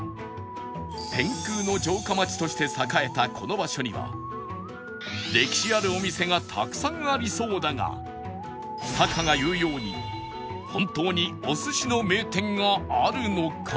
天空の城下町として栄えたこの場所には歴史あるお店がたくさんありそうだがタカが言うように本当にお寿司の名店があるのか？